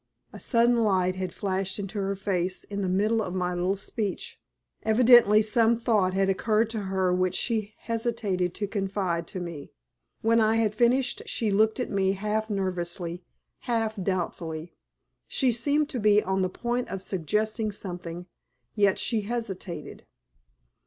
A sudden light had flashed into her face in the middle of my little speech. Evidently some thought had occurred to her which she hesitated to confide to me. When I had finished she looked at me half nervously, half doubtfully. She seemed to be on the point of suggesting something, yet she hesitated.